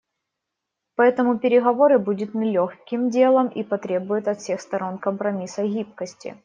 Поэтому переговоры будут нелегким делом и потребуют от всех сторон компромисса и гибкости.